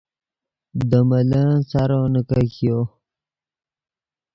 دے ملن سارو نیکګیو